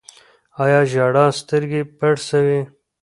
آیا ژړا سترګې پړسوي؟